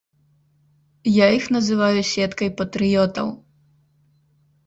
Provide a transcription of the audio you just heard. Я іх называю сеткай патрыётаў.